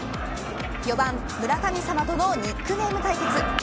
４番村神様とのニックネーム対決。